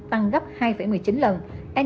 tăng gấp hai một mươi chín lần